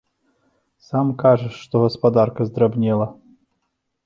Сам кажаш, што гаспадарка здрабнела.